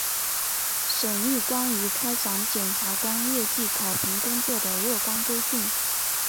审议关于开展检察官业绩考评工作的若干规定